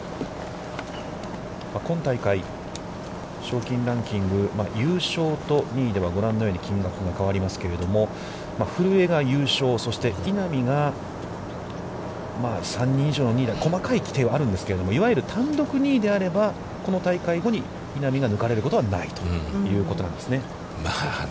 今大会、賞金ランキング、優勝と２位では、ご覧のように金額が変わりますけれども、古江が優勝、そして稲見が３人以上２位で、細かい規定はあるんですけど、いわゆる単独２位であればこの大会後に稲見が抜かれることはないということなんですね。